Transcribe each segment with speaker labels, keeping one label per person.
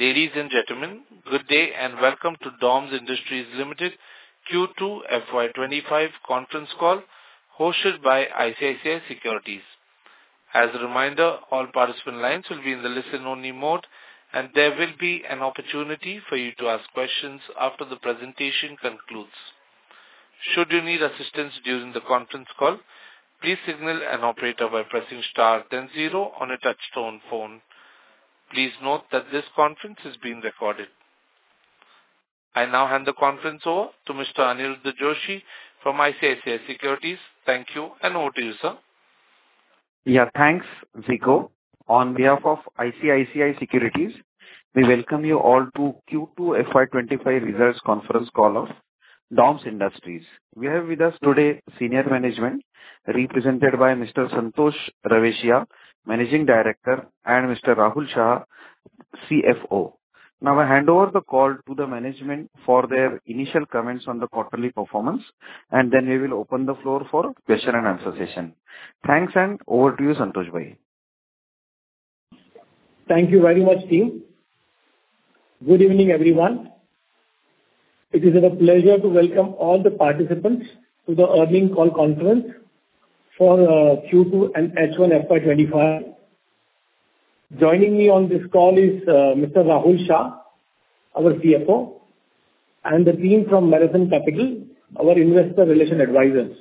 Speaker 1: Ladies and gentlemen, good day and welcome to DOMS Industries Limited Q2 FY25 conference call, hosted by ICICI Securities. As a reminder, all participant lines will be in the listen-only mode, and there will be an opportunity for you to ask questions after the presentation concludes. Should you need assistance during the conference call, please signal an operator by pressing star 100 on a touch-tone phone. Please note that this conference is being recorded. I now hand the conference over to Mr. Aniruddha Joshi from ICICI Securities. Thank you and over to you, sir.
Speaker 2: Yeah, thanks, Zico. On behalf of ICICI Securities, we welcome you all to Q2 FY25 results conference call of DOMS Industries. We have with us today senior management, represented by Mr. Santosh Raveshia, Managing Director, and Mr. Rahul Shah, CFO. Now, I hand over the call to the management for their initial comments on the quarterly performance, and then we will open the floor for question and answer session. Thanks, and over to you, Santosh, bye.
Speaker 3: Thank you very much, team. Good evening, everyone. It is a pleasure to welcome all the participants to the earnings conference call for Q2 and H1 FY25. Joining me on this call is Mr. Rahul Shah, our CFO, and the team from Marathon Capital, our investor relations advisors.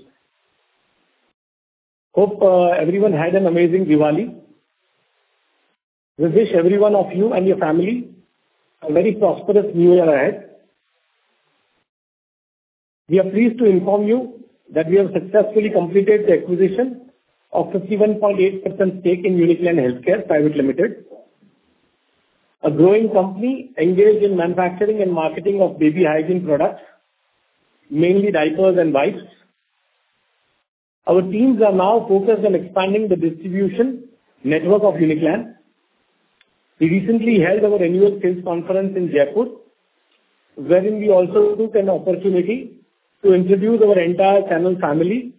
Speaker 3: Hope everyone had an amazing Diwali. We wish everyone of you and your family a very prosperous New Year ahead. We are pleased to inform you that we have successfully completed the acquisition of 51.8% stake in Uniclan Healthcare Private Limited, a growing company engaged in manufacturing and marketing of baby hygiene products, mainly diapers and wipes. Our teams are now focused on expanding the distribution network of Uniclan. We recently held our annual sales conference in Jaipur, wherein we also took an opportunity to introduce our entire channel family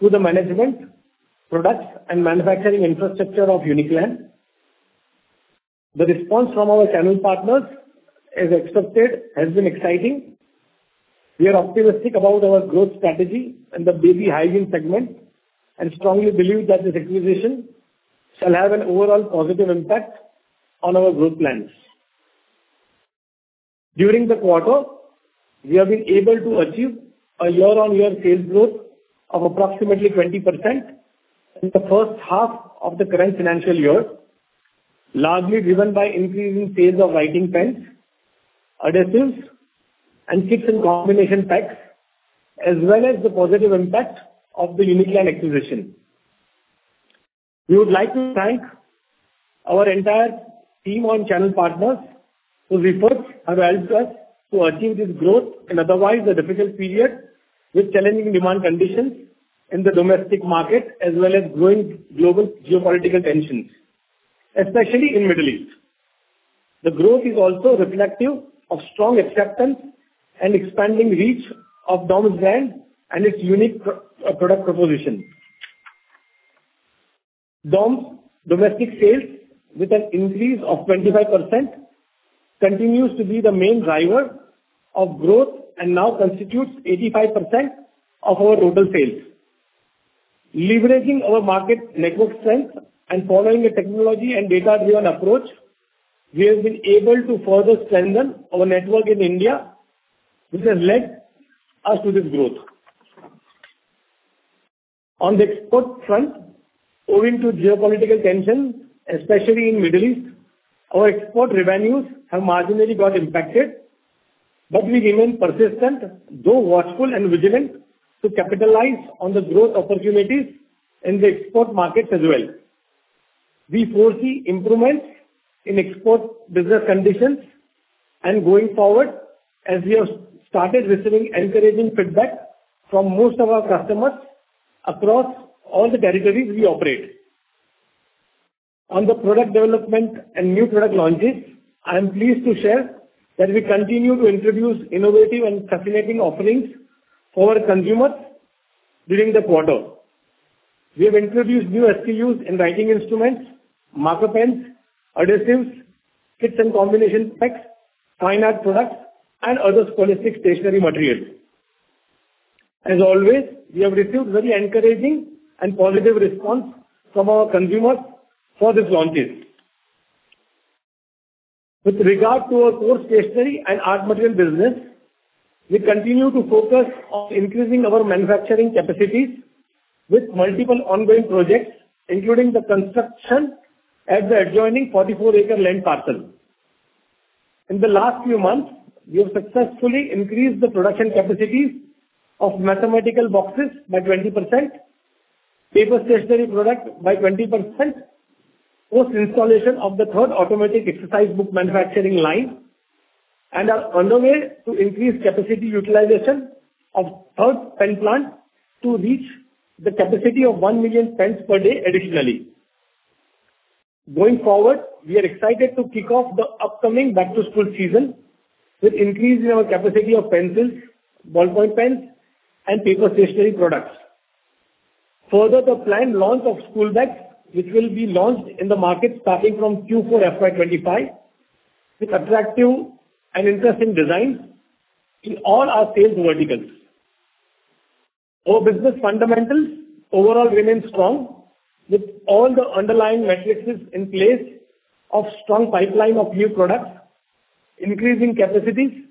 Speaker 3: to the management, products, and manufacturing infrastructure of Uniclan. The response from our channel partners is expected, has been exciting. We are optimistic about our growth strategy in the baby hygiene segment and strongly believe that this acquisition shall have an overall positive impact on our growth plans. During the quarter, we have been able to achieve a year-on-year sales growth of approximately 20% in the first half of the current financial year, largely driven by increasing sales of writing pens, adhesives, and kits and combination packs, as well as the positive impact of the Uniclan acquisition. We would like to thank our entire team and channel partners who, first, have helped us to achieve this growth in otherwise a difficult period with challenging demand conditions in the domestic market, as well as growing global geopolitical tensions, especially in the Middle East. The growth is also reflective of strong acceptance and expanding reach of DOMS brand and its unique product proposition. DOMS domestic sales with an increase of 25% continues to be the main driver of growth and now constitutes 85% of our total sales. Leveraging our market network strength and following a technology and data-driven approach, we have been able to further strengthen our network in India, which has led us to this growth. On the export front, owing to geopolitical tensions, especially in the Middle East, our export revenues have marginally got impacted, but we remain persistent, though watchful and vigilant to capitalize on the growth opportunities in the export markets as well. We foresee improvements in export business conditions and going forward, as we have started receiving encouraging feedback from most of our customers across all the territories we operate. On the product development and new product launches, I am pleased to share that we continue to introduce innovative and fascinating offerings for consumers during the quarter. We have introduced new SKUs in writing instruments, marker pens, adhesives, kits and combination packs, fine art products, and other scholastic stationery materials. As always, we have received very encouraging and positive responses from our consumers for these launches. With regard to our core stationery and art material business, we continue to focus on increasing our manufacturing capacities with multiple ongoing projects, including the construction at the adjoining 44-acre land parcel. In the last few months, we have successfully increased the production capacities of mathematical boxes by 20%, paper stationery products by 20%, post-installation of the third automatic exercise book manufacturing line, and are on the way to increase capacity utilization of third pen plants to reach the capacity of one million pens per day additionally. Going forward, we are excited to kick off the upcoming back-to-school season with an increase in our capacity of pencils, ballpoint pens, and paper stationery products. Further, the planned launch of school bags, which will be launched in the market starting from Q4 FY25, with attractive and interesting designs in all our sales verticals. Our business fundamentals overall remain strong with all the underlying metrics in place of a strong pipeline of new products, increasing capacities,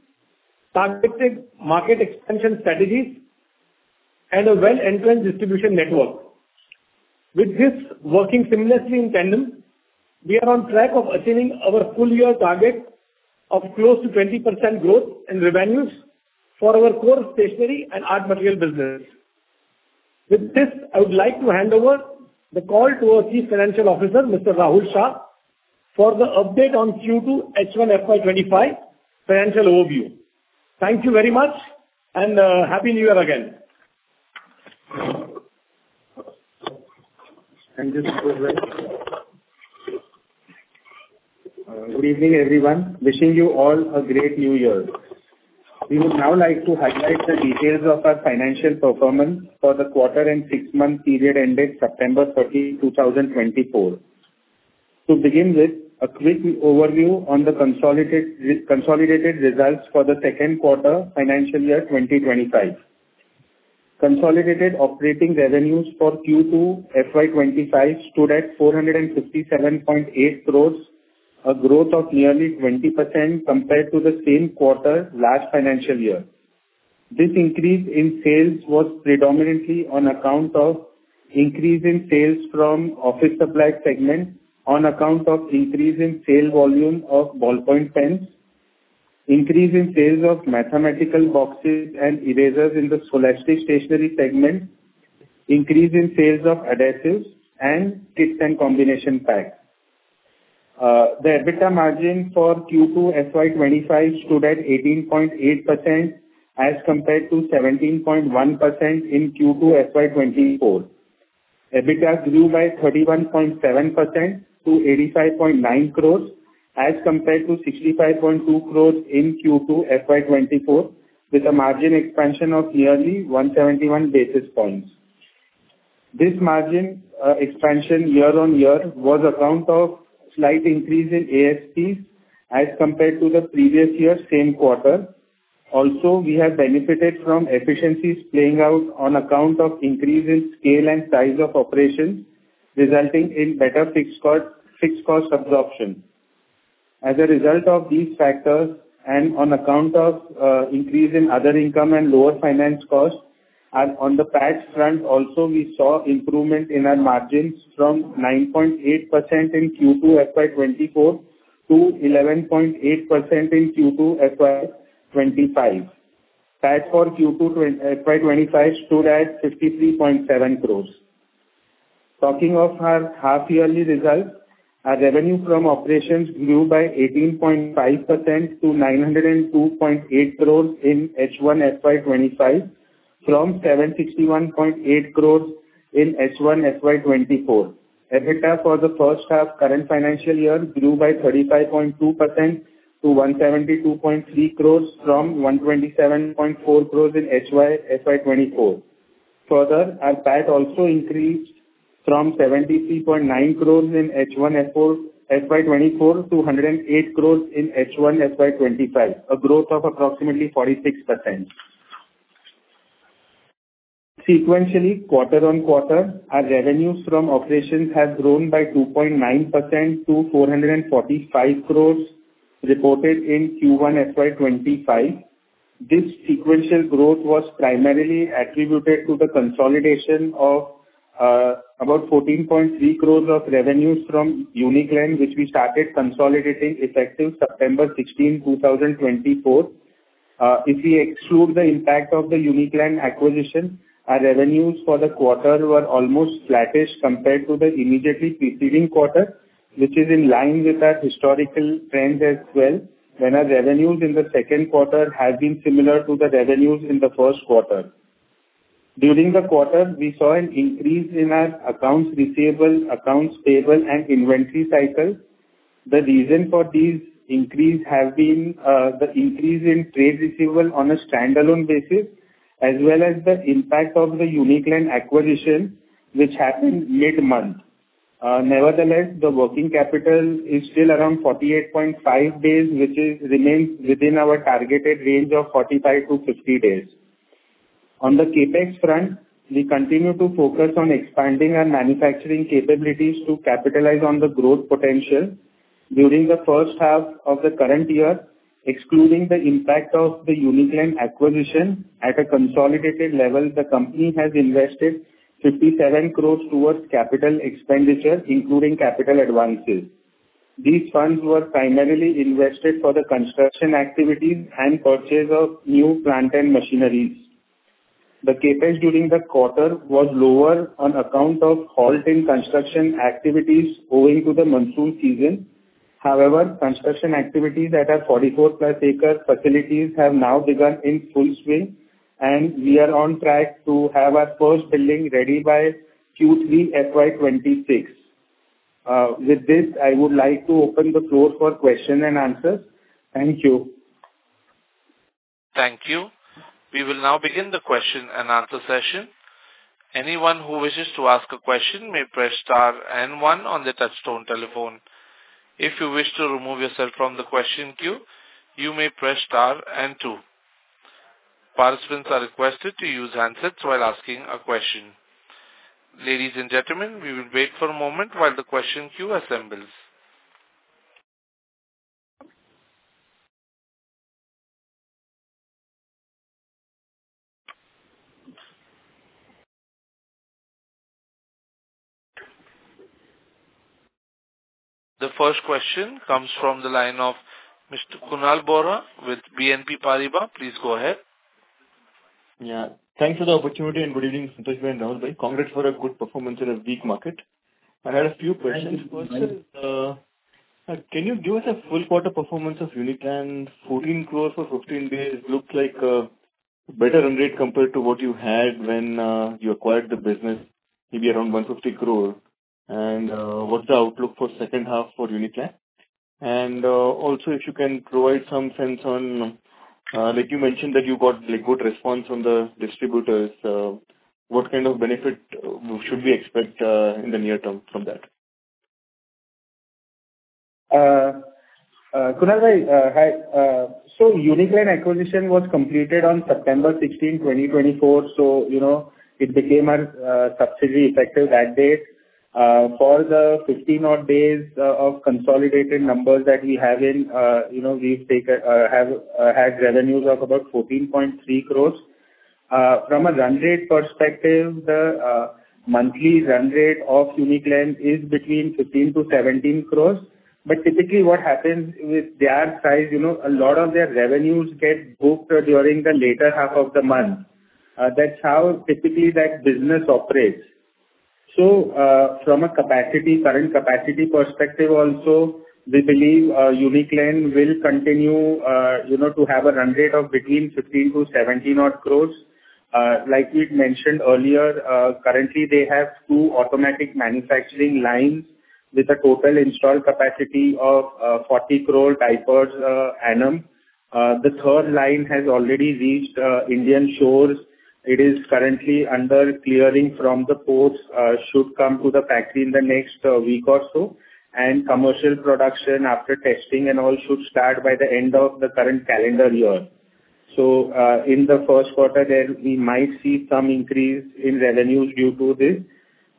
Speaker 3: targeted market expansion strategies, and a well-entrenched distribution network. With this working seamlessly in tandem, we are on track of achieving our full-year target of close to 20% growth in revenues for our core stationery and art material business. With this, I would like to hand over the call to our Chief Financial Officer, Mr. Rahul Shah, for the update on Q2 H1 FY25 financial overview. Thank you very much and happy New Year again.
Speaker 4: Thank you, Supervisor. Good evening, everyone. Wishing you all a great New Year. We would now like to highlight the details of our financial performance for the quarter and six-month period ended September 30, 2024. To begin with, a quick overview on the consolidated results for the second quarter financial year 2025. Consolidated operating revenues for Q2 FY25 stood at 457.8 crores, a growth of nearly 20% compared to the same quarter last financial year. This increase in sales was predominantly on account of increase in sales from office supply segment on account of increase in sale volume of ballpoint pens, increase in sales of mathematical boxes and erasers in the scholastic stationery segment, increase in sales of adhesives and kits and combination packs. The EBITDA margin for Q2 FY25 stood at 18.8% as compared to 17.1% in Q2 FY24. EBITDA grew by 31.7% to 85.9 crores as compared to 65.2 crores in Q2 FY24, with a margin expansion of nearly 171 basis points. This margin expansion year-on-year was on account of slight increase in ASPs as compared to the previous year's same quarter. Also, we have benefited from efficiencies playing out on account of increase in scale and size of operations, resulting in better fixed cost absorption. As a result of these factors and on account of increase in other income and lower finance costs, on the PAT front, also, we saw improvement in our margins from 9.8% in Q2 FY24 to 11.8% in Q2 FY25. PAT for Q2 FY25 stood at 53.7 crores. Talking of our half-yearly results, our revenue from operations grew by 18.5% to 902.8 crores in H1 FY25 from 761.8 crores in H1 FY24. EBITDA for the first half current financial year grew by 35.2% to 172.3 crores from 127.4 crores in HY FY24. Further, our PAT also increased from 73.9 crores in H1 FY24 to 108 crores in H1 FY25, a growth of approximately 46%. Sequentially, quarter on quarter, our revenues from operations have grown by 2.9% to 445 crores reported in Q1 FY25. This sequential growth was primarily attributed to the consolidation of about 14.3 crores of revenues from Uniclan, which we started consolidating effective September 16, 2024. If we exclude the impact of the Uniclan acquisition, our revenues for the quarter were almost flattish compared to the immediately preceding quarter, which is in line with our historical trends as well, when our revenues in the second quarter have been similar to the revenues in the first quarter. During the quarter, we saw an increase in our accounts receivable, accounts payable, and inventory cycle. The reason for these increases has been the increase in trade receivable on a standalone basis, as well as the impact of the Uniclan acquisition, which happened mid-month. Nevertheless, the working capital is still around 48.5 days, which remains within our targeted range of 45-50 days. On the CAPEX front, we continue to focus on expanding our manufacturing capabilities to capitalize on the growth potential during the first half of the current year. Excluding the impact of the Uniclan acquisition at a consolidated level, the company has invested 57 crores towards capital expenditure, including capital advances. These funds were primarily invested for the construction activities and purchase of new plant and machineries. The CAPEX during the quarter was lower on account of halt in construction activities owing to the monsoon season. However, construction activities at our 44-plus-acre facilities have now begun in full swing, and we are on track to have our first building ready by Q3 FY26. With this, I would like to open the floor for questions and answers. Thank you.
Speaker 1: Thank you. We will now begin the question and answer session. Anyone who wishes to ask a question may press star and one on the touch-tone telephone. If you wish to remove yourself from the question queue, you may press star and two. Participants are requested to use handsets while asking a question. Ladies and gentlemen, we will wait for a moment while the question queue assembles. The first question comes from the line of Mr. Kunal Vora with BNP Paribas. Please go ahead.
Speaker 5: Yeah. Thanks for the opportunity and good evening, Santosh and Rahul bhai. Congrats for a good performance in a weak market. I had a few questions. Can you give us a full quarter performance of Uniclan: 14 crores for 15 days? It looks like a better run rate compared to what you had when you acquired the business, maybe around 150 crores. And what's the outlook for the second half for Uniclan? And also, if you can provide some sense on, like you mentioned, that you got good response from the distributors, what kind of benefit should we expect in the near term from that?
Speaker 4: Kunal bhai, hi. So Uniclan acquisition was completed on September 16, 2024. So it became our subsidiary effective that date. For the 15-odd days of consolidated numbers that we have in, we've had revenues of about 14.3 crores. From a run rate perspective, the monthly run rate of Uniclan is between 15 crores to 17 crores. But typically, what happens with their size, a lot of their revenues get booked during the later half of the month. That's how typically that business operates. So from a current capacity perspective, also, we believe Uniclan will continue to have a run rate of between 15 crores to 17-odd crores. Like we mentioned earlier, currently, they have two automatic manufacturing lines with a total installed capacity of 40 crore diapers annum. The third line has already reached Indian shores. It is currently under clearing from the ports. It should come to the factory in the next week or so. And commercial production after testing and all should start by the end of the current calendar year. So in the first quarter, we might see some increase in revenues due to this.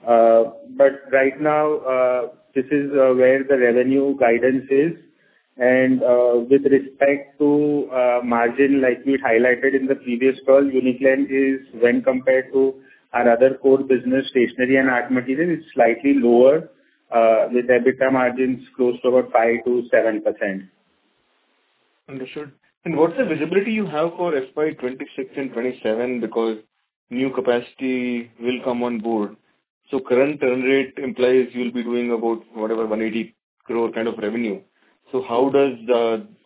Speaker 4: But right now, this is where the revenue guidance is. And with respect to margin, like we highlighted in the previous call, Uniclan is, when compared to our other core business, stationery and art material, it's slightly lower with EBITDA margins close to about 5%-7%.
Speaker 5: Understood. And what's the visibility you have for FY26 and FY27? Because new capacity will come on board. So current turn rate implies you'll be doing about whatever 180 crore kind of revenue. So how does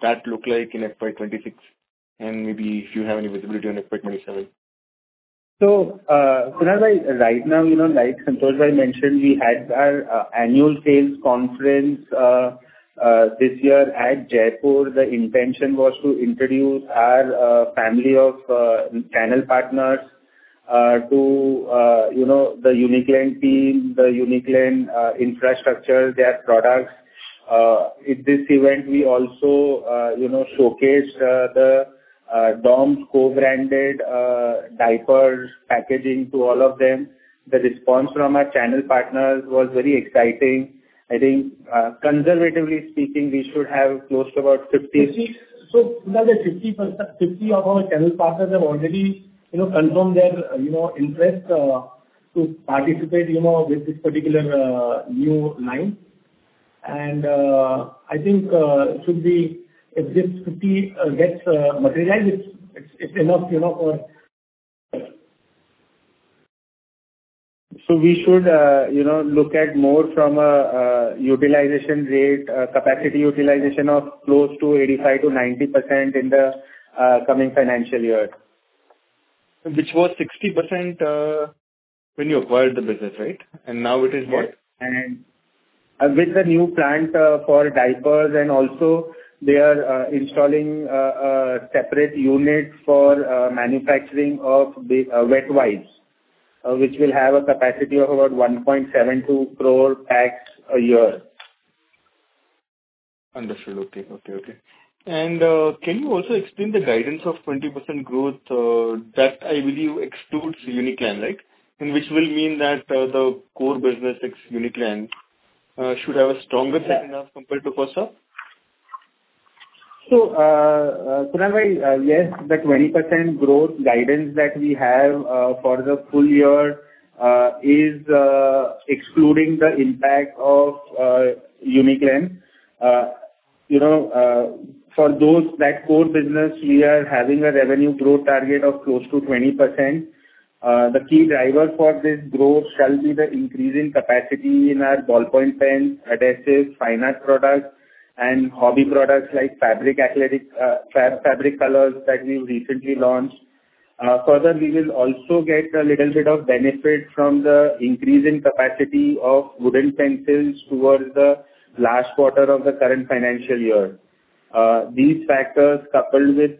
Speaker 5: that look like in FY26? And maybe if you have any visibility on FY27.
Speaker 4: So Kunal bhai, right now, like Santosh bhai mentioned, we had our annual sales conference this year at Jaipur. The intention was to introduce our family of channel partners to the Uniclan team, the Uniclan infrastructure, their products. At this event, we also showcased the DOMS co-branded diapers packaging to all of them. The response from our channel partners was very exciting. I think, conservatively speaking, we should have close to about 50.
Speaker 3: Kunal bhai, 50 of our channel partners have already confirmed their interest to participate with this particular new line. I think it should be if this 50 gets materialized, it's enough for.
Speaker 4: So we should look at more from a utilization rate, capacity utilization of close to 85%-90% in the coming financial year.
Speaker 5: Which was 60% when you acquired the business, right? And now it is what?
Speaker 4: With the new plant for diapers, and also, they are installing a separate unit for manufacturing of wet wipes, which will have a capacity of about 1.72 crore packs a year.
Speaker 5: Understood. Okay. And can you also explain the guidance of 20% growth that I believe excludes Uniclan, right? And which will mean that the core business, Uniclan, should have a stronger tracking graph compared to first half?
Speaker 4: So Kunal bhai, yes, the 20% growth guidance that we have for the full year is excluding the impact of Uniclan. For the core business, we are having a revenue growth target of close to 20%. The key driver for this growth shall be the increase in capacity in our ballpoint pens, adhesives, fine arts products, and hobby products like fabric colors that we've recently launched. Further, we will also get a little bit of benefit from the increase in capacity of wooden pencils towards the last quarter of the current financial year. These factors, coupled with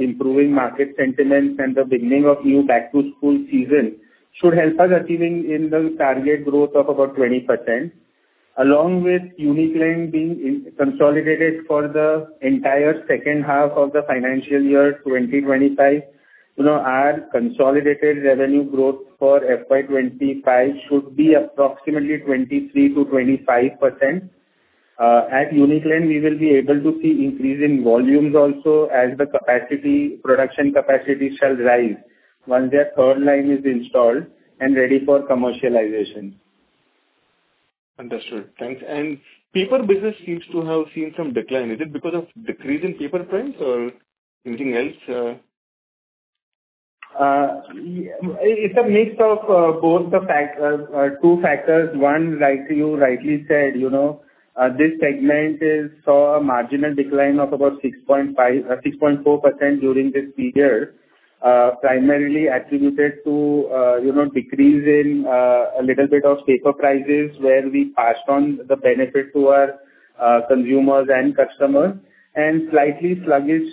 Speaker 4: improving market sentiments and the beginning of new back-to-school season, should help us in achieving the target growth of about 20%. Along with Uniclan being consolidated for the entire second half of the financial year 2025, our consolidated revenue growth for FY25 should be approximately 23%-25%. At Uniclan, we will be able to see increase in volumes also as the production capacity shall rise once their third line is installed and ready for commercialization.
Speaker 5: Understood. Thanks. Paper business seems to have seen some decline. Is it because of decrease in paper price or anything else?
Speaker 4: It's a mix of both two factors. One, like you rightly said, this segment saw a marginal decline of about 6.4% during this year, primarily attributed to a decrease in a little bit of paper prices where we passed on the benefit to our consumers and customers, and slightly sluggish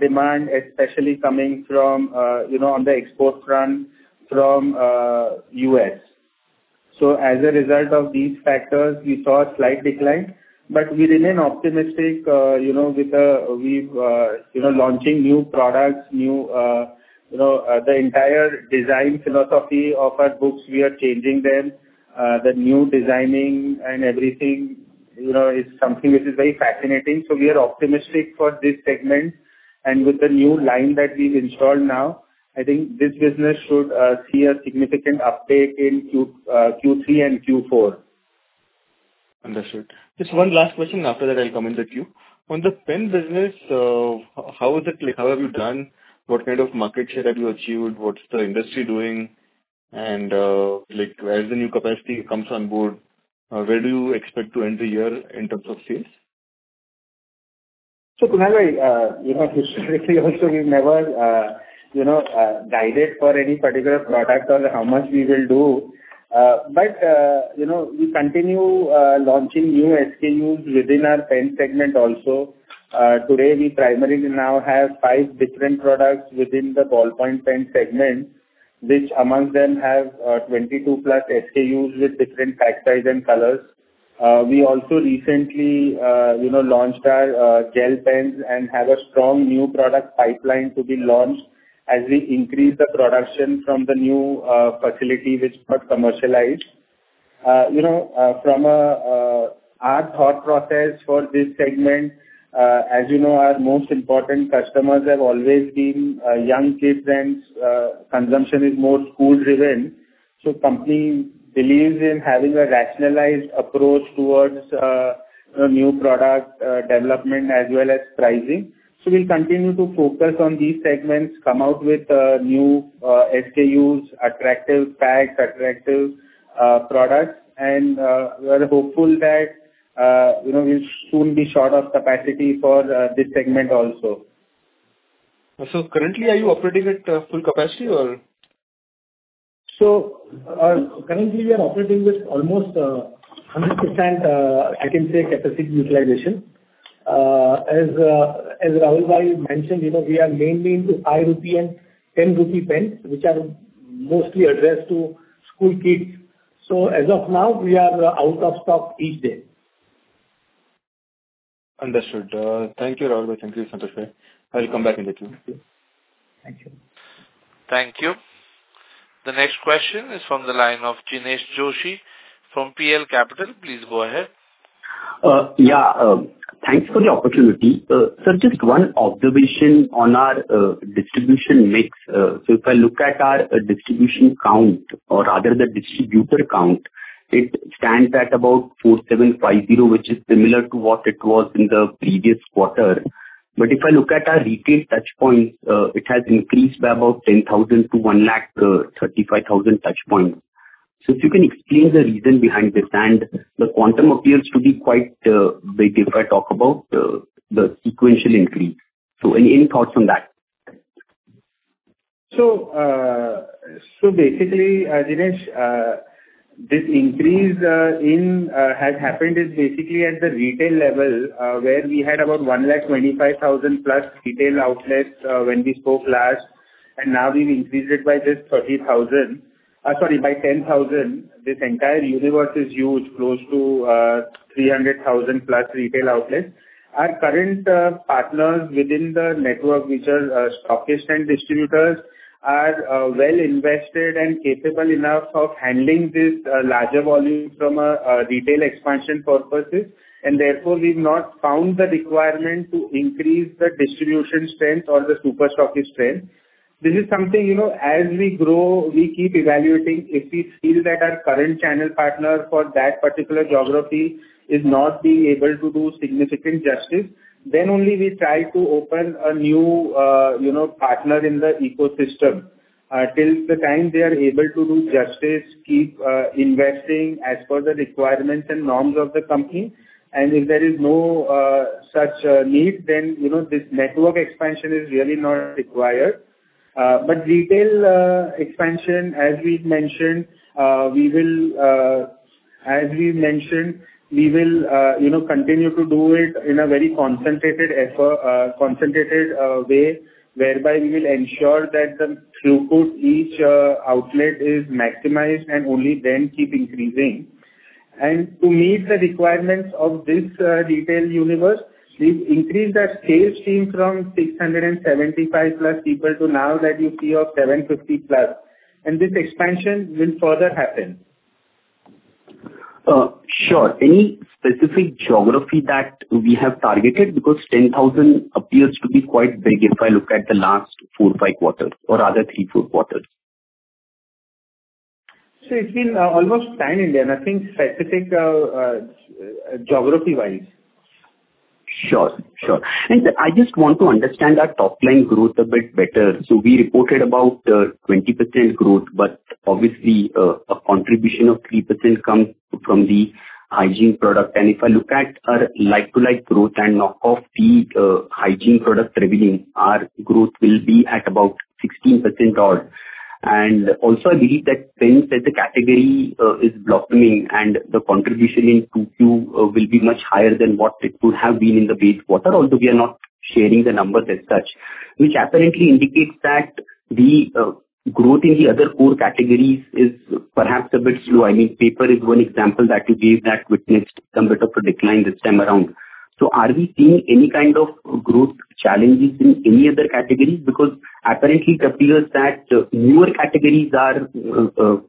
Speaker 4: demand, especially coming on the export front from the U.S. So as a result of these factors, we saw a slight decline, but we remain optimistic with launching new products. The entire design philosophy of our books, we are changing them. The new designing and everything is something which is very fascinating. So we are optimistic for this segment, and with the new line that we've installed now, I think this business should see a significant uptake in Q3 and Q4.
Speaker 5: Understood. Just one last question. After that, I'll come in the queue. On the pen business, how have you done? What kind of market share have you achieved? What's the industry doing? And as the new capacity comes on board, where do you expect to enter the year in terms of sales?
Speaker 4: Kunal bhai, historically, also, we've never guided for any particular product or how much we will do. But we continue launching new SKUs within our pen segment also. Today, we primarily now have five different products within the ballpoint pen segment, which among them have 22-plus SKUs with different pack sizes and colors. We also recently launched our gel pens and have a strong new product pipeline to be launched as we increase the production from the new facility which got commercialized. From our thought process for this segment, as you know, our most important customers have always been young kids, and consumption is more school-driven. The company believes in having a rationalized approach towards new product development as well as pricing. So we'll continue to focus on these segments, come out with new SKUs, attractive packs, attractive products, and we're hopeful that we'll soon be short of capacity for this segment also.
Speaker 5: So currently, are you operating at full capacity or?
Speaker 4: So currently, we are operating with almost 100%, I can say, capacity utilization. As Rahulbhai mentioned, we are mainly into 5 rupee and 10 rupee pens, which are mostly addressed to school kids. So as of now, we are out of stock each day.
Speaker 5: Understood. Thank you, Rahul bhai. Thank you, Santosh bhai. I'll come back in the queue.
Speaker 4: Thank you.
Speaker 1: Thank you. The next question is from the line of Jinesh Joshi from PL Capital. Please go ahead.
Speaker 6: Yeah. Thanks for the opportunity. Sir, just one observation on our distribution mix. So if I look at our distribution count, or rather the distributor count, it stands at about 4,750, which is similar to what it was in the previous quarter. But if I look at our retail touchpoints, it has increased by about 10,000 to 135,000 touchpoints. So if you can explain the reason behind this, and the quantum appears to be quite big if I talk about the sequential increase. So any thoughts on that?
Speaker 4: So basically, Jinesh, this increase has happened basically at the retail level where we had about 125,000-plus retail outlets when we spoke last. And now we've increased it by just 30,000 sorry, by 10,000. This entire universe is huge, close to 300,000-plus retail outlets. Our current partners within the network, which are stockist and distributors, are well invested and capable enough of handling this larger volume from a retail expansion purposes. And therefore, we've not found the requirement to increase the distribution strength or the super stockist strength. This is something, as we grow, we keep evaluating if we feel that our current channel partner for that particular geography is not being able to do significant justice. Then only we try to open a new partner in the ecosystem until the time they are able to do justice, keep investing as per the requirements and norms of the company. If there is no such need, then this network expansion is really not required. Retail expansion, as we mentioned, we will continue to do it in a very concentrated way whereby we will ensure that the throughput each outlet is maximized and only then keep increasing. To meet the requirements of this retail universe, we've increased our sales team from 675-plus people to now that you see of 750-plus. This expansion will further happen.
Speaker 6: Sure. Any specific geography that we have targeted? Because 10,000 appears to be quite big if I look at the last four or five quarters or rather three or four quarters.
Speaker 4: So it's been almost planned in there. Nothing specific geography-wise.
Speaker 6: Sure. Sure. And I just want to understand our top-line growth a bit better. So we reported about 20% growth, but obviously, a contribution of 3% comes from the hygiene product. And if I look at our like-for-like growth and knock off the hygiene product revenue, our growth will be at about 16% odd. And also, I believe that pens as a category is blossoming, and the contribution in Q2 will be much higher than what it would have been in the base quarter. Although we are not sharing the numbers as such, which apparently indicates that the growth in the other core categories is perhaps a bit slow. I mean, paper is one example that you gave that witnessed some bit of a decline this time around. So are we seeing any kind of growth challenges in any other categories? Because apparently, it appears that newer categories are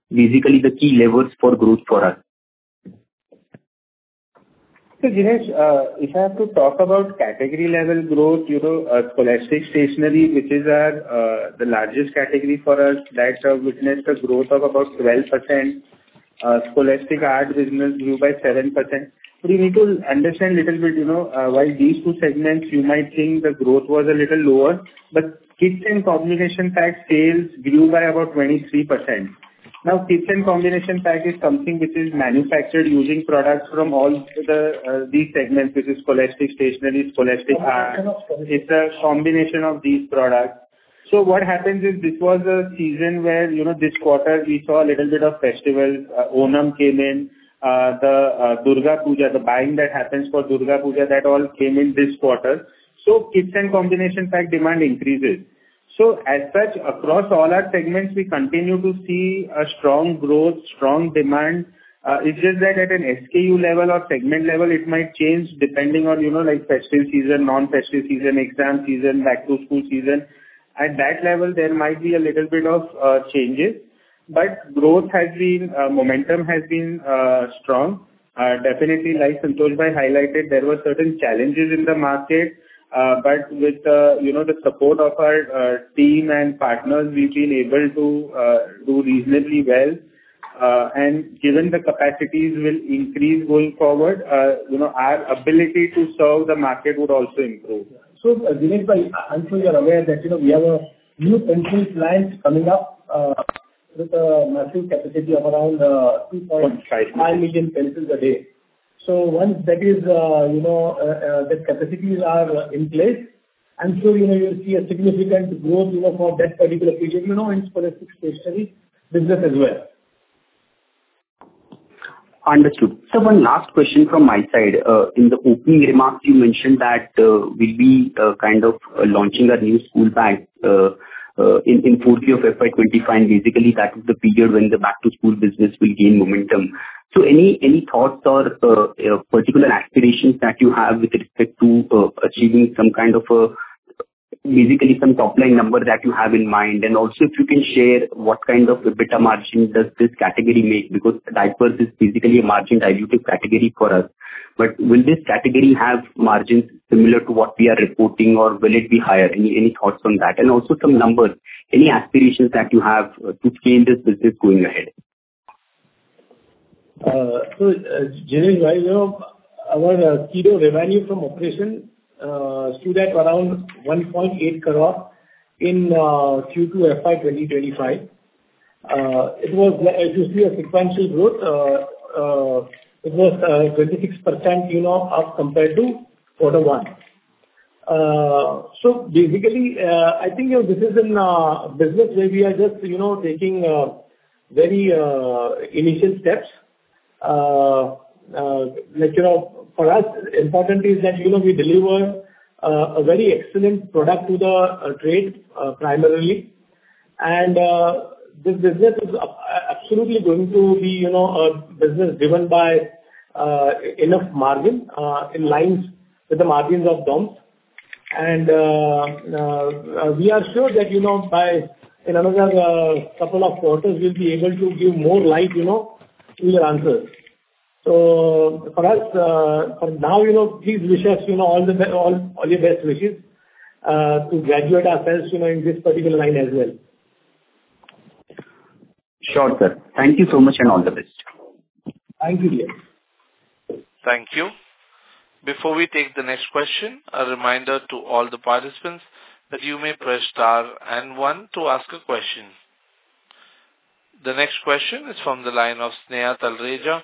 Speaker 6: basically the key levers for growth for us.
Speaker 4: So Jinesh, if I have to talk about category-level growth, Scholastic Stationery, which is the largest category for us, that witnessed a growth of about 12%. Scholastic Art business grew by 7%. But you need to understand a little bit why these two segments, you might think the growth was a little lower, but kits and combo packs sales grew by about 23%. Now, kits and combo packs is something which is manufactured using products from all these segments, which is Scholastic Stationery, Scholastic Art. It's a combination of these products. So what happens is this was a season where this quarter we saw a little bit of festivals. Onam came in, the Durga Puja, the buying that happens for Durga Puja, that all came in this quarter. So kits and combo packs demand increases. So as such, across all our segments, we continue to see a strong growth, strong demand. It's just that at an SKU level or segment level, it might change depending on festive season, non-festive season, exam season, back-to-school season. At that level, there might be a little bit of changes. But growth momentum has been strong. Definitely, like Santosh bhai highlighted, there were certain challenges in the market. But with the support of our team and partners, we've been able to do reasonably well. Given the capacities will increase going forward, our ability to serve the market would also improve.
Speaker 3: So Jinesh bhai, I'm sure you're aware that we have a new pencil plant coming up with a massive capacity of around 2.5 million pencils a day. So once that is, the capacities are in place, I'm sure you'll see a significant growth for that particular period in scholastic stationery business as well.
Speaker 6: Understood. So one last question from my side. In the opening remarks, you mentioned that we'll be kind of launching a new school bag in Q4 of FY25, and basically, that is the period when the back-to-school business will gain momentum. So any thoughts or particular aspirations that you have with respect to achieving some kind of a basically some top-line number that you have in mind? And also, if you can share what kind of EBITDA margin does this category make? Because diapers is basically a margin dilutive category for us. But will this category have margins similar to what we are reporting, or will it be higher? Any thoughts on that? And also some numbers, any aspirations that you have to scale this business going ahead?
Speaker 3: So Jinesh, right now, our key revenue from operations stood at around 1.8 crore in Q2 FY25. It was, as you see, a sequential growth. It was 26% up compared to Q1. So basically, I think this is a business where we are just taking very initial steps. For us, important is that we deliver a very excellent product to the trade primarily. And this business is absolutely going to be a business driven by enough margin in lines with the margins of DOMS. And we are sure that by another couple of quarters, we'll be able to give more light to your answers. So for us, for now, please wish us all the best wishes to graduate ourselves in this particular line as well.
Speaker 6: Sure, sir. Thank you so much and all the best.
Speaker 3: Thank you, Jinesh.
Speaker 1: Thank you. Before we take the next question, a reminder to all the participants that you may press star and one to ask a question. The next question is from the line of Sneha Talreja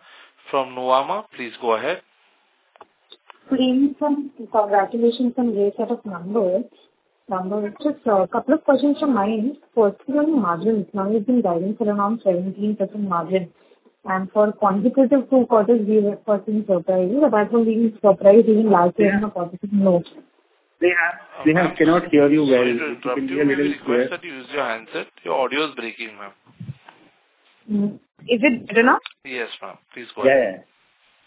Speaker 1: from Nuvama. Please go ahead.
Speaker 7: Please, congratulations on a great set of numbers. Just a couple of questions from my end. First, regarding margins, now we've been driving for around 17% margin, and for consecutive two quarters, we were surprised. Apart from being surprised, even last year on a positive note.
Speaker 4: They have cannot hear you well. It can be a little slurred.
Speaker 1: Please use your handset. Your audio is breaking, ma'am.
Speaker 7: Is it better now?
Speaker 1: Yes, ma'am. Please go ahead.
Speaker 4: Yeah, yeah.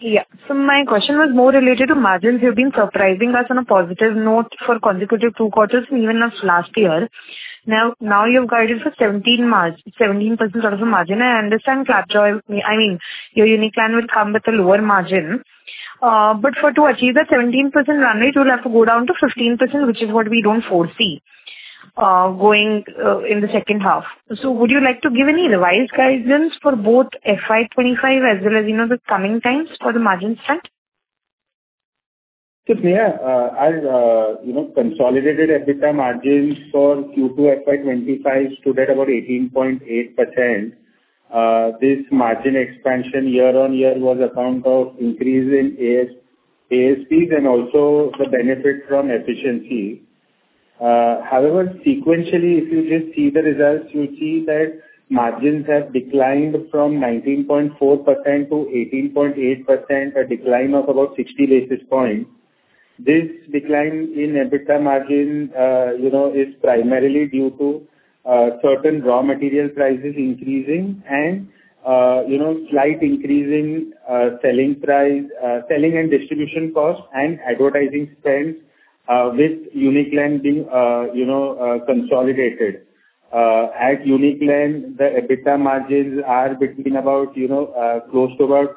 Speaker 7: Yeah. So my question was more related to margins. You've been surprising us on a positive note for consecutive two quarters, even as last year. Now you've guided for 17% sort of a margin. I understand, I mean, your Uniclan will come with a lower margin. But to achieve that 17% run rate, we'll have to go down to 15%, which is what we don't foresee going in the second half. So would you like to give any revised guidance for both FY25 as well as the coming times for the margin strength?
Speaker 4: Sneha, the consolidated EBITDA margins for Q2 FY25 stood at about 18.8%. This margin expansion year on year was on account of increase in ASPs and also the benefit from efficiency. However, sequentially, if you just see the results, you'll see that margins have declined from 19.4% to 18.8%, a decline of about 60 basis points. This decline in EBITDA margin is primarily due to certain raw material prices increasing and slight increase in selling and distribution costs and advertising spends, with Uniclan being consolidated. At Uniclan, the EBITDA margins are between about 5%-7%.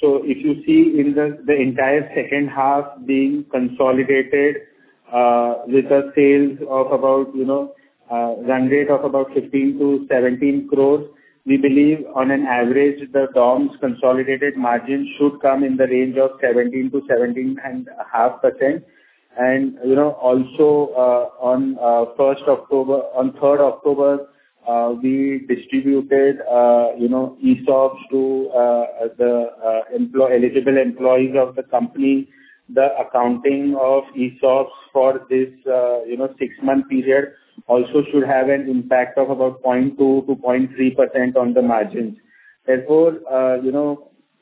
Speaker 4: If you see the entire second half being consolidated with sales of about a run rate of about 15 crores-17 crores, we believe on average, the DOMS consolidated margin should come in the range of 17%-17.5%. Also, on October 3rd, we distributed ESOPs to the eligible employees of the company. The accounting of ESOPs for this six-month period also should have an impact of about 0.2%-0.3% on the margins. Therefore,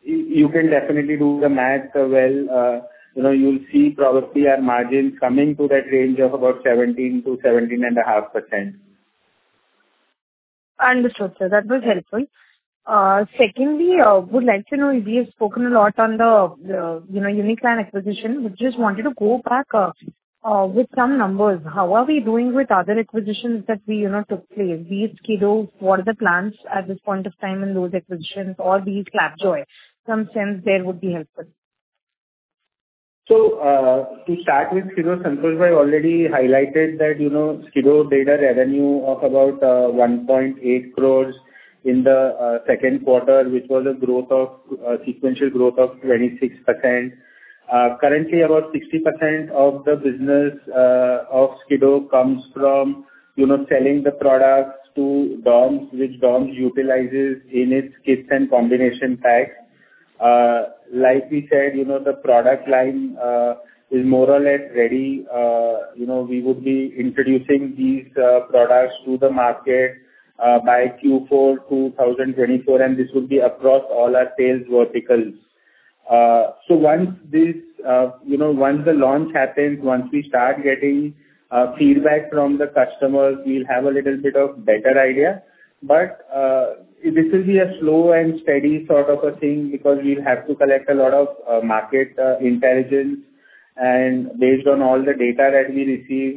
Speaker 4: you can definitely do the math well. You'll see probably our margin coming to that range of about 17%-17.5%.
Speaker 7: Understood, sir. That was helpful. Secondly, I would like to know, we have spoken a lot on the Uniclan acquisition. We just wanted to go back with some numbers. How are we doing with other acquisitions that we took place? These Skido, what are the plans at this point of time in those acquisitions? Or these ClapJoy? Some sense there would be helpful.
Speaker 4: To start with, Santosh bhai already highlighted that Skido had a revenue of about 1.8 crores in the second quarter, which was a sequential growth of 26%. Currently, about 60% of the business of Skido comes from selling the products to DOMS, which DOMS utilizes in its kits and combo packs. Like we said, the product line is more or less ready. We would be introducing these products to the market by Q4 2024, and this would be across all our sales verticals. Once the launch happens, once we start getting feedback from the customers, we'll have a little bit of a better idea. But this will be a slow and steady sort of a thing because we'll have to collect a lot of market intelligence. Based on all the data that we receive,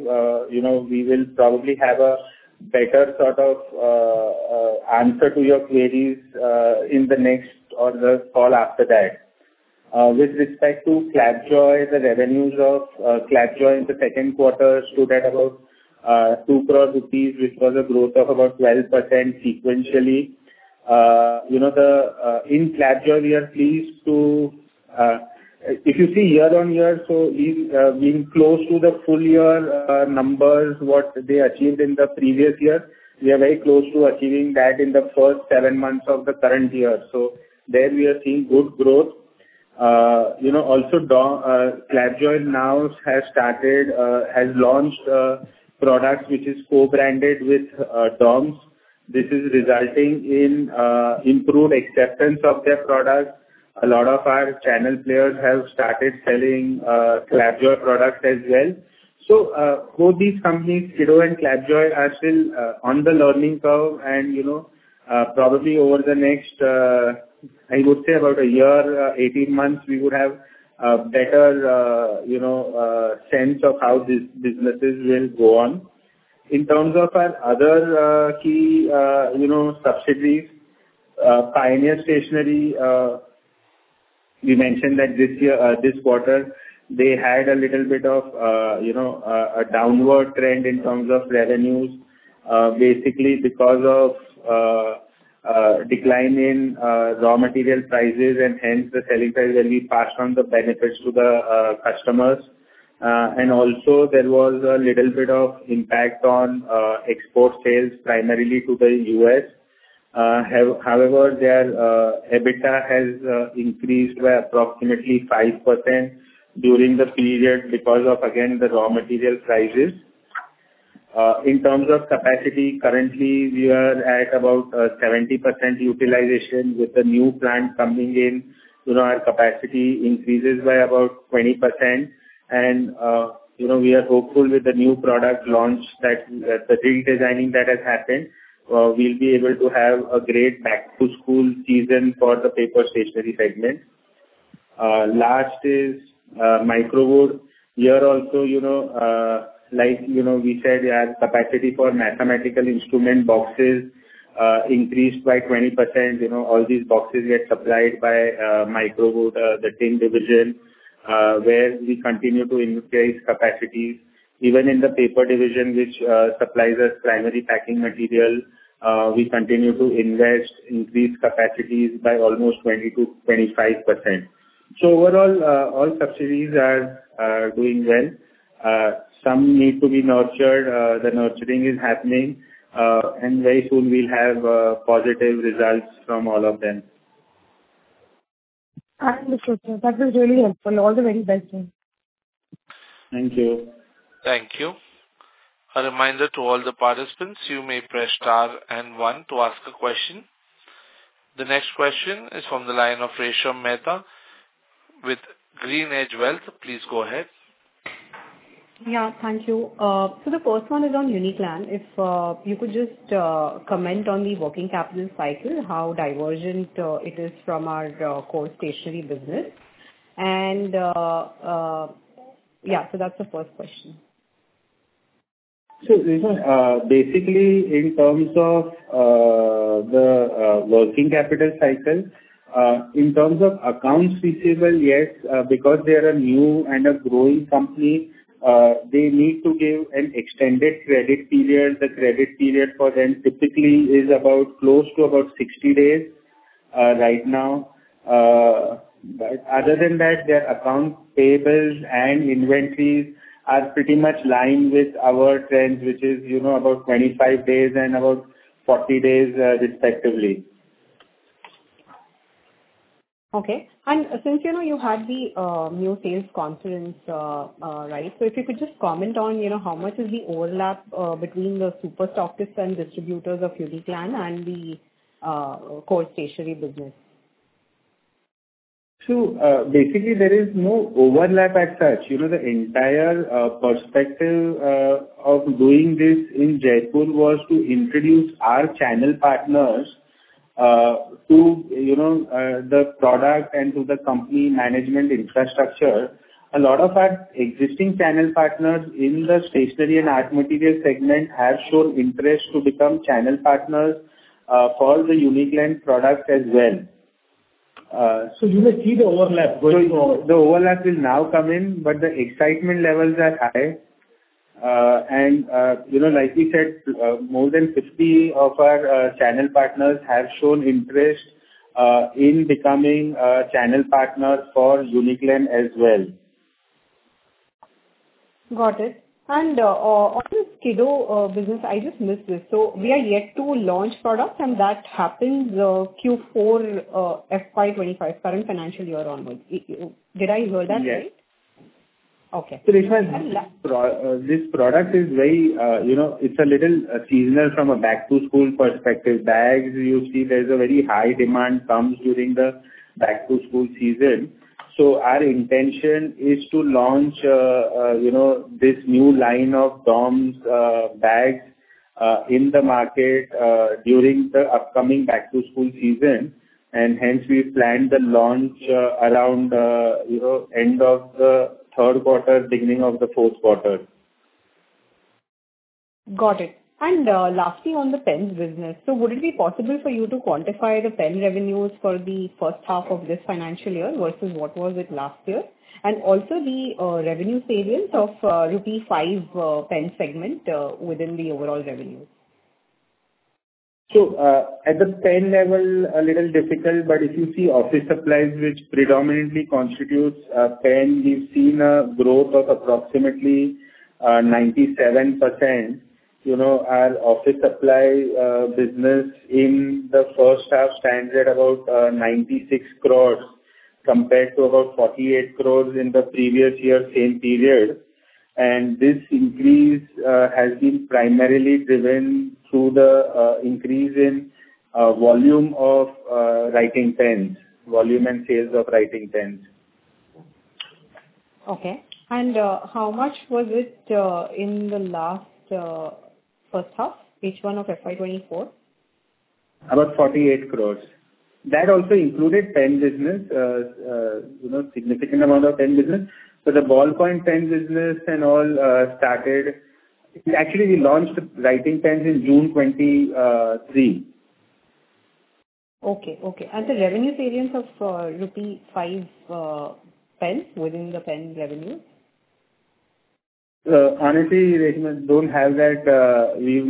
Speaker 4: we will probably have a better sort of answer to your queries in the next or the call after that. With respect to ClapJoy, the revenues of ClapJoy in the second quarter stood at about 2 crore rupees, which was a growth of about 12% sequentially. In ClapJoy, we are pleased to, if you see year on year, so being close to the full year numbers, what they achieved in the previous year, we are very close to achieving that in the first seven months of the current year. There we are seeing good growth. Also, ClapJoy now has launched products which are co-branded with DOMS. This is resulting in improved acceptance of their products. A lot of our channel players have started selling ClapJoy products as well. So both these companies, Skido and ClapJoy, are still on the learning curve. And probably over the next, I would say, about a year, 18 months, we would have a better sense of how these businesses will go on. In terms of our other key subsidiaries, Pioneer Stationery, we mentioned that this quarter, they had a little bit of a downward trend in terms of revenues, basically because of a decline in raw material prices, and hence the selling price will be passed on the benefits to the customers. And also, there was a little bit of impact on export sales, primarily to the U.S. However, their EBITDA has increased by approximately 5% during the period because of, again, the raw material prices. In terms of capacity, currently, we are at about 70% utilization with the new plant coming in. Our capacity increases by about 20%. We are hopeful with the new product launch that the redesigning that has happened, we'll be able to have a great back-to-school season for the paper stationery segment. Last is Micro Wood. Here also, like we said, we have capacity for mathematical instrument boxes increased by 20%. All these boxes get supplied by Micro Wood, the tin division, where we continue to increase capacity. Even in the paper division, which supplies us primary packaging material, we continue to invest, increase capacities by almost 20%-25%. Overall, all subsidiaries are doing well. Some need to be nurtured. The nurturing is happening. Very soon, we'll have positive results from all of them.
Speaker 7: Understood, sir. That was really helpful. All the very best.
Speaker 4: Thank you.
Speaker 1: Thank you. A reminder to all the participants, you may press star and one to ask a question. The next question is from the line of Resha Mehta with GreenEdge Wealth. Please go ahead.
Speaker 8: Yeah, thank you. So the first one is on Uniclan. If you could just comment on the working capital cycle, how divergent it is from our core stationery business. And yeah, so that's the first question.
Speaker 4: So basically, in terms of the working capital cycle, in terms of accounts receivable, yes, because they are a new and a growing company, they need to give an extended credit period. The credit period for them typically is close to about 60 days right now. But other than that, their accounts payable and inventories are pretty much aligned with our trend, which is about 25 days and about 40 days, respectively.
Speaker 8: Okay. And since you had the new sales conference, right, so if you could just comment on how much is the overlap between the superstockists and distributors of Uniclan and the core stationery business?
Speaker 4: So basically, there is no overlap as such. The entire perspective of doing this in Jaipur was to introduce our channel partners to the product and to the company management infrastructure. A lot of our existing channel partners in the stationery and art material segment have shown interest to become channel partners for the Uniclan product as well. So you may see the overlap going forward. The overlap will now come in, but the excitement levels are high. And like we said, more than 50 of our channel partners have shown interest in becoming channel partners for Uniclan as well.
Speaker 8: Got it. And on the Skido business, I just missed this. So we are yet to launch products, and that happens Q4 FY25, current financial year onwards. Did I hear that right?
Speaker 4: Yes.
Speaker 8: Okay.
Speaker 4: So this product is very, it's a little seasonal from a back-to-school perspective. Bags, you see, there's a very high demand comes during the back-to-school season. Our intention is to launch this new line of DOMS bags in the market during the upcoming back-to-school season. Hence, we planned the launch around the end of the third quarter, beginning of the fourth quarter.
Speaker 8: Got it. And lastly, on the pen business, so would it be possible for you to quantify the pen revenues for the first half of this financial year versus what was it last year? And also, the revenue savings of rupee 5 pen segment within the overall revenue.
Speaker 4: So at the pen level, a little difficult, but if you see office supplies, which predominantly constitutes pen, we've seen a growth of approximately 97%. Our office supply business in the first half stands at about 96 crores compared to about 48 crores in the previous year, same period. And this increase has been primarily driven through the increase in volume of writing pens, volume and sales of writing pens.
Speaker 8: Okay. And how much was it in the last first half, each one of FY24?
Speaker 4: About 48 crores. That also included pen business, a significant amount of pen business. But the ballpoint pen business and all started, actually, we launched writing pens in June 2023.
Speaker 8: Okay. And the revenue savings of rupee 5 pens within the pen revenues?
Speaker 4: Honestly, we don't have that. We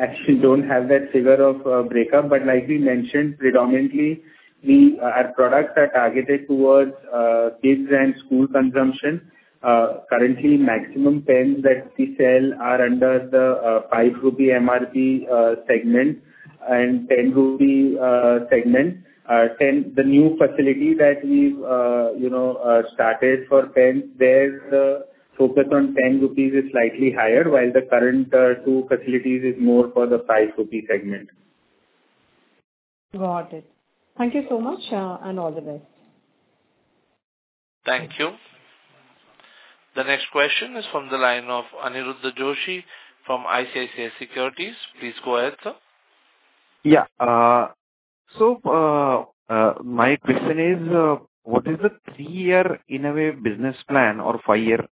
Speaker 4: actually don't have that figure of breakup. But like we mentioned, predominantly, our products are targeted towards kids and school consumption. Currently, maximum pens that we sell are under the 5 rupee MRP segment and 10 rupee segment. The new facility that we've started for pens, there the focus on 10 rupees is slightly higher, while the current two facilities are more for the 5 rupee segment.
Speaker 8: Got it. Thank you so much, and all the best.
Speaker 1: Thank you. The next question is from the line of Aniruddha Joshi from ICICI Securities. Please go ahead, sir.
Speaker 2: Yeah. So my question is, what is the three-year innovative business plan or five-year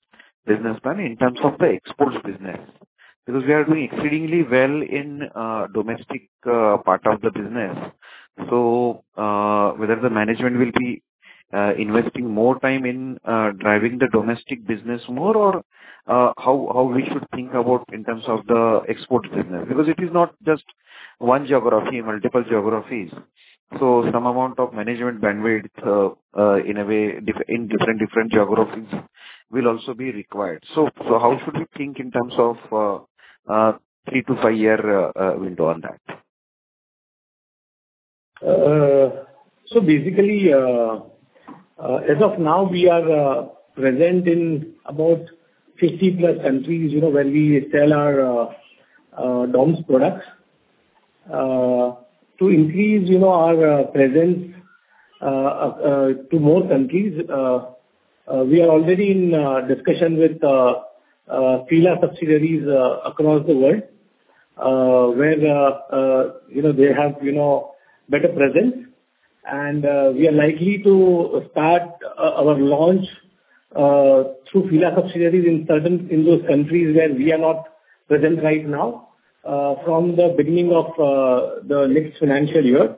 Speaker 2: business plan in terms of the exports business? Because we are doing exceedingly well in the domestic part of the business. So whether the management will be investing more time in driving the domestic business more or how we should think about in terms of the exports business? Because it is not just one geography, multiple geographies. So some amount of management bandwidth in different geographies will also be required. So how should we think in terms of three to five-year window on that?
Speaker 4: So basically, as of now, we are present in about 50-plus countries where we sell our DOMS products. To increase our presence to more countries, we are already in discussion with FILA subsidiaries across the world, where they have better presence. And we are likely to start our launch through FILA subsidiaries in those countries where we are not present right now from the beginning of the next financial year.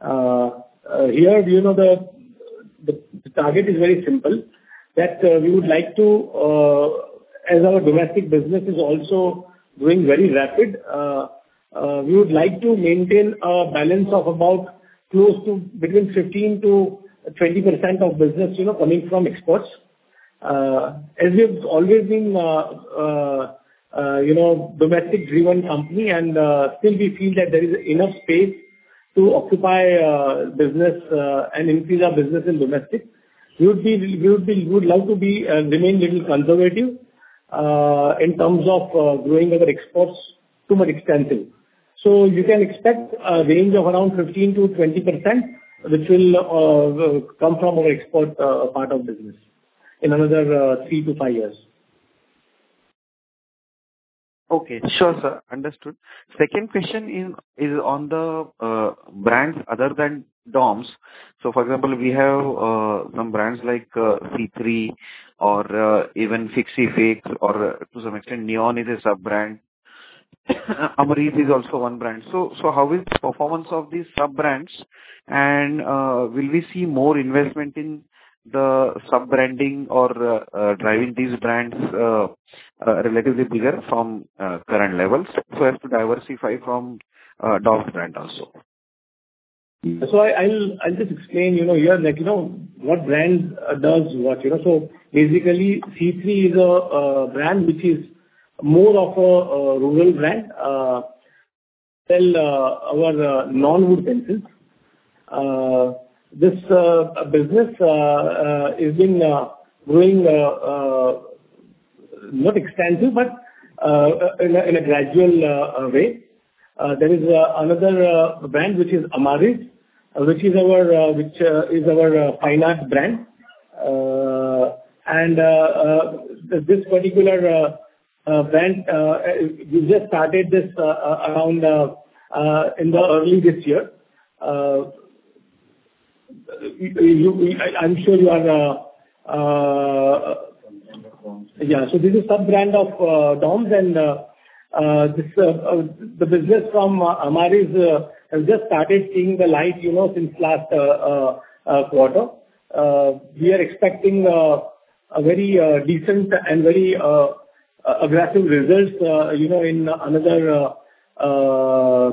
Speaker 4: Here, the target is very simple that we would like to, as our domestic business is also growing very rapidly, we would like to maintain a balance of about close to between 15%-20% of business coming from exports. As we have always been a domestic-driven company, and still, we feel that there is enough space to occupy business and increase our business in domestic. We would love to remain a little conservative in terms of growing our exports too much extensively. So you can expect a range of around 15%-20%, which will come from our export part of business in another three to five years.
Speaker 2: Okay. Sure, sir. Understood. Second question is on the brands other than DOMS. So for example, we have some brands like C3 or even Fixy Fix, or to some extent, Neon is a sub-brand. Amariz is also one brand. So how is the performance of these sub-brands? And will we see more investment in the sub-branding or driving these brands relatively bigger from current levels? So as to diversify from DOMS brand also.
Speaker 4: So I'll just explain here what brand does what. So basically, C3 is a brand which is more of a rural brand. Well, our non-wood pencils. This business is being growing not extensively, but in a gradual way. There is another brand which is Amariz, which is our finance brand. And this particular brand, we just started this around in the early this year. I'm sure you are, yeah. So this is a sub-brand of DOMS. And the business from Amariz has just started seeing the light since last quarter. We are expecting a very decent and very aggressive results in another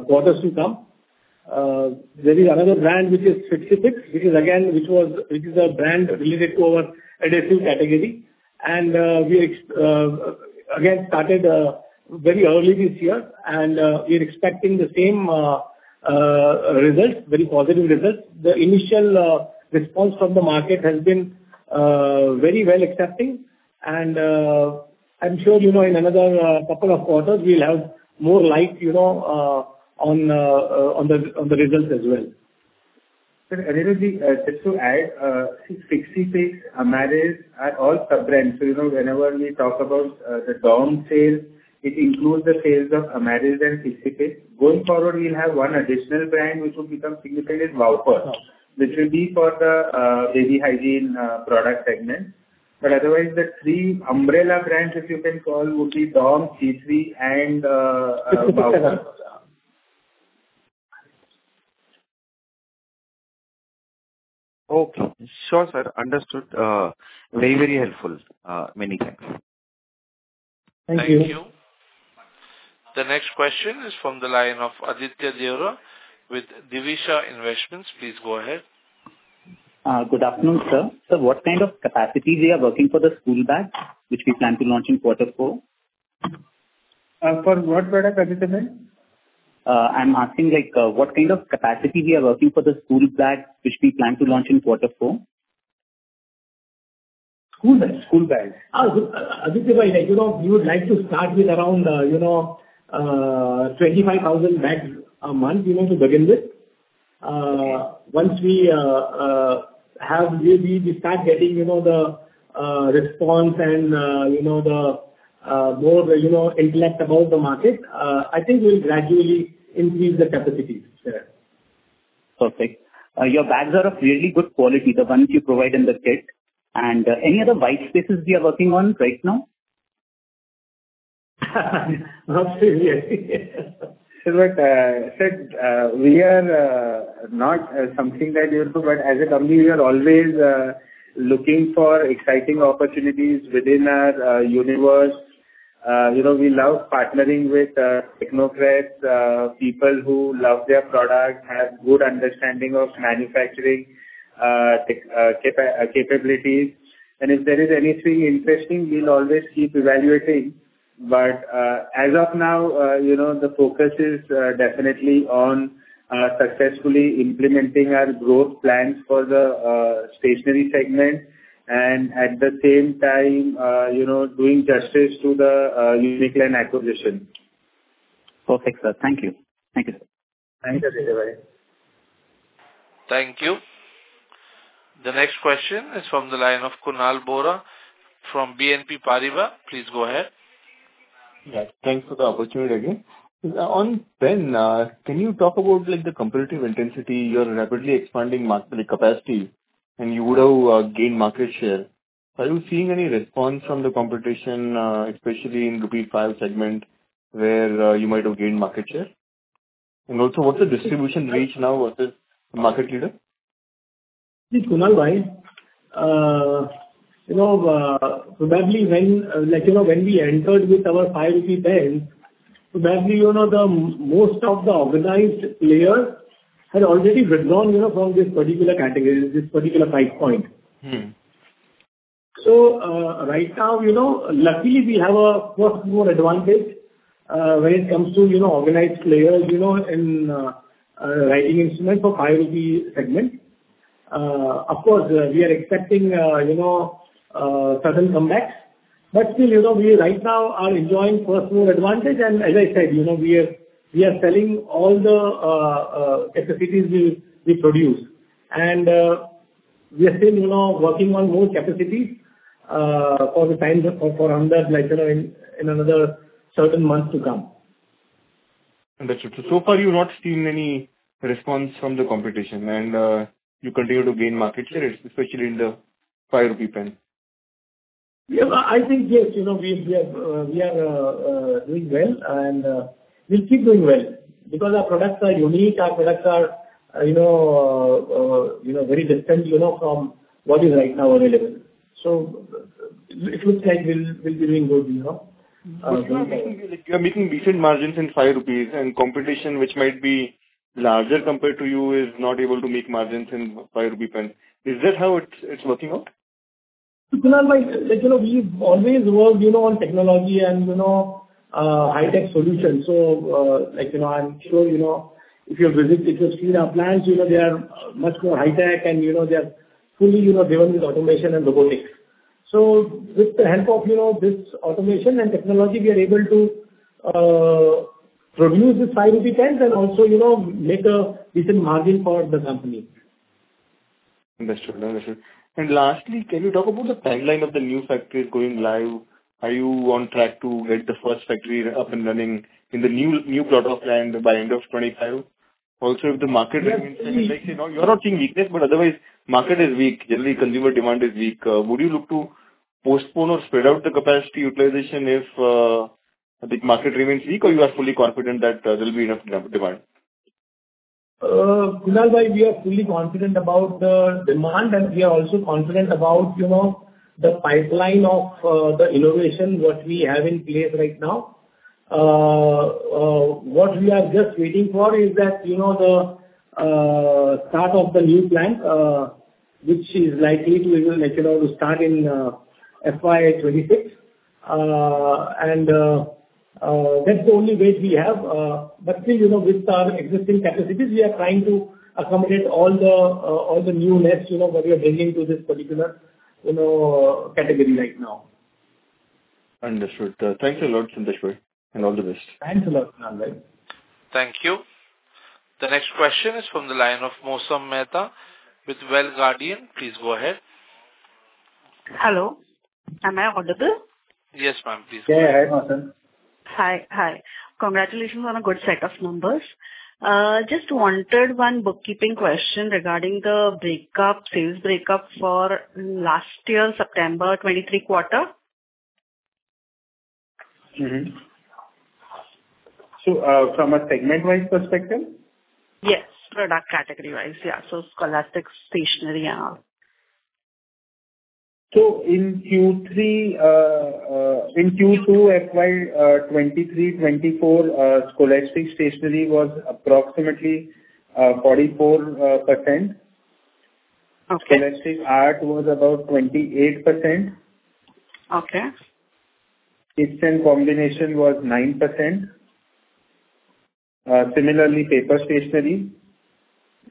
Speaker 4: quarter to come. There is another brand which is Fixy Fix, which is, again, a brand related to our adhesive category. And we again started very early this year, and we are expecting the same results, very positive results. The initial response from the market has been very well accepting. And I'm sure in another couple of quarters, we'll have more light on the results as well. Just to add, Fixy Fix, Amariz, are all sub-brands. So whenever we talk about the DOMS sales, it includes the sales of Amariz and Fixy Fix. Going forward, we'll have one additional brand which will become significantly Wowper, which will be for the baby hygiene product segment. But otherwise, the three umbrella brands, if you can call, would be DOMS, C3, and Wowper.
Speaker 2: Okay. Sure, sir. Understood. Very, very helpful. Many thanks.
Speaker 4: Thank you.
Speaker 1: Thank you. The next question is from the line of Aditya Deorah with Divisha Investments. Please go ahead.
Speaker 9: Good afternoon, sir. So what kind of capacity we are working for the school bag, which we plan to launch in quarter four?
Speaker 4: For what product, Aditya bhai?
Speaker 9: I'm asking what kind of capacity we are working for the school bag, which we plan to launch in quarter four?
Speaker 4: School bags. Aditya, we would like to start with around 25,000 bags a month to begin with. Once we start getting the response and the more intel about the market, I think we'll gradually increase the capacity.
Speaker 9: Perfect. Your bags are of really good quality, the ones you provide in the kit, and any other white spaces we are working on right now?
Speaker 4: Not really. Sir, we are not something that you do, but as a company, we are always looking for exciting opportunities within our universe. We love partnering with technocrats, people who love their product, have good understanding of manufacturing capabilities, and if there is anything interesting, we'll always keep evaluating, but as of now, the focus is definitely on successfully implementing our growth plans for the stationery segment and at the same time doing justice to the Uniclan acquisition.
Speaker 9: Perfect, sir. Thank you, sir.
Speaker 4: Thank you, Aditya.
Speaker 1: Thank you. The next question is from the line of Kunal Vora from BNP Paribas. Please go ahead.
Speaker 5: Yes. Thanks for the opportunity again. On pen, can you talk about the competitive intensity, your rapidly expanding capacity, and you would have gained market share? Are you seeing any response from the competition, especially in rupee 5 segment, where you might have gained market share? And also, what's the distribution reach now versus the market leader?
Speaker 4: See, Kunal bhai, probably when we entered with our 5 rupee pen, probably most of the organized players had already withdrawn from this particular category, this particular price point. So right now, luckily, we have a first-mover advantage when it comes to organized players in writing instruments for 5 rupee segment. Of course, we are expecting sudden comebacks. But still, we right now are enjoying first-mover advantage. And as I said, we are selling all the capacities we produce. And we are still working on more capacity for under in another certain month to come.
Speaker 5: Understood. So far, you've not seen any response from the competition, and you continue to gain market share, especially in the 5 rupee pen.
Speaker 4: Yeah, I think yes. We are doing well, and we'll keep doing well because our products are unique. Our products are very distant from what is right now available. So it looks like we'll be doing good.
Speaker 5: You are making decent margins in 5 rupees, and competition, which might be larger compared to you, is not able to make margins in 5 rupee. Is that how it's working out?
Speaker 4: Kunal bhai, we've always worked on technology and high-tech solutions. So I'm sure if you've seen our plans, they are much more high-tech, and they are fully driven with automation and robotics. So with the help of this automation and technology, we are able to produce these 5 pens and also make a decent margin for the company.
Speaker 5: Understood. Understood. And lastly, can you talk about the timeline of the new factories going live? Are you on track to get the first factory up and running in the new plot of land by end of 2025? Also, if the market remains like, you're not seeing weakness, but otherwise, the market is weak. Generally, consumer demand is weak. Would you look to postpone or spread out the capacity utilization if the market remains weak, or you are fully confident that there will be enough demand?
Speaker 4: Kunal bhai, we are fully confident about the demand, and we are also confident about the pipeline of the innovation what we have in place right now. What we are just waiting for is that the start of the new plant, which is likely to start in FY 2026. And that's the only way we have. But still, with our existing capacities, we are trying to accommodate all the newness that we are bringing to this particular category right now.
Speaker 5: Understood. Thank you a lot, Sundeshwar, and all the best.
Speaker 4: Thanks a lot, Kunal bhai.
Speaker 1: Thank you. The next question is from the line of Mosam Mehta with Wealth Guardian. Please go ahead.
Speaker 10: Hello. Am I audible?
Speaker 1: Yes, ma'am. Please go ahead.
Speaker 4: Yeah, I heard myself.
Speaker 10: Hi. Congratulations on a good set of numbers. Just wanted one bookkeeping question regarding the sales breakup for last year, September 2023 quarter.
Speaker 4: So from a segment-wise perspective?
Speaker 10: Yes. Product category-wise. Yeah. So Scholastic, stationery, and all.
Speaker 4: In Q2, FY 2023-2024, scholastic stationery was approximately 44%. Scholastic art was about 28%. Kits and combo was 9%. Similarly, paper stationery.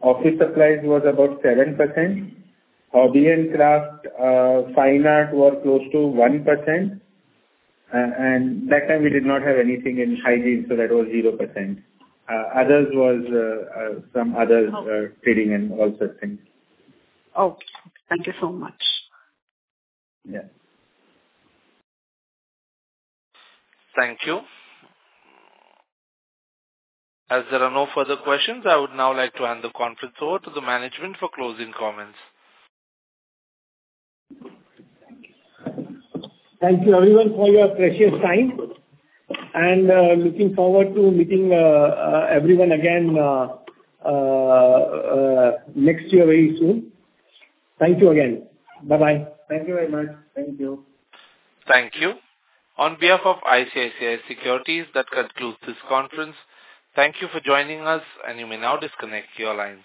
Speaker 4: Office supplies was about 7%. Hobby and craft, fine art were close to 1%. And that time, we did not have anything in hygiene, so that was 0%. Others was some other trading and all such things.
Speaker 10: Okay. Thank you so much.
Speaker 4: Yeah.
Speaker 1: Thank you. As there are no further questions, I would now like to hand the conference over to the management for closing comments.
Speaker 4: Thank you everyone, for your precious time. And looking forward to meeting everyone again next year very soon. Thank you again. Bye-bye. Thank you very much.
Speaker 3: Thank you.
Speaker 1: Thank you. On behalf of ICICI Securities, that concludes this conference. Thank you for joining us, and you may now disconnect. Your lines.